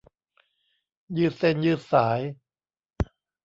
ยืดเส้นยืดสาย